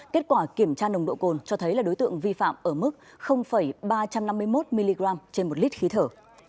kết quả kiểm tra nồng độ cồn cho thấy là đối tượng vi phạm ở mức ba trăm năm mươi một mg trên một lít khí thở